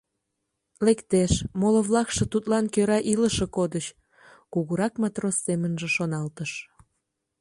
Лектеш, моло-влакше тудлан кӧра илыше кодыч», — кугурак матрос семынже шоналтыш.